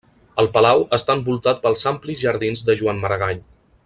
El palau està envoltat pels amplis Jardins de Joan Maragall.